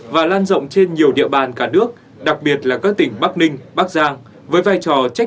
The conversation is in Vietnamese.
và lan rộng trên nhiều địa bàn cả nước đặc biệt là các tỉnh bắc ninh bắc giang với vai trò trách